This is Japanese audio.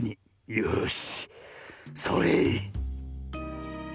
よしそれ！